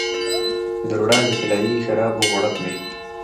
د روڼا د طلایې شرابو غوړپ مې